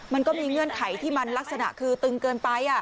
มันก็มีเงื่อนไขที่มันลักษณะคือตึงเกินไป